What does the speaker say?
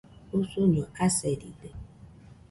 usuño aseride